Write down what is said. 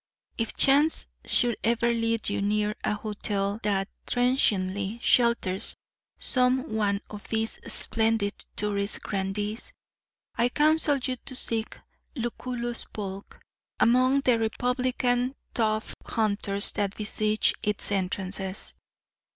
If chance should ever lead you near a hotel that transiently shelters some one of these splendid touring grandees, I counsel you to seek Lucullus Polk among the republican tuft hunters that besiege its entrances.